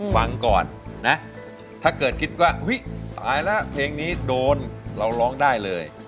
ฟังก่อนนะถ้าเกิดคิดว่าอุ๊ยตายแล้วเพลงนี้โดนเราร้องได้เลย